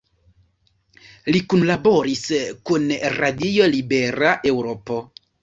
Li kunlaboris kun Radio Libera Eŭropo.